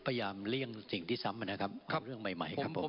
พยายามเลี่ยงสิ่งที่ซ้ำนะครับเรื่องใหม่ครับผม